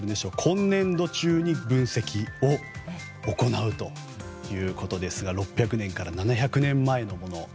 今年度中に分析を行うということですが６００年から７００年前のもの。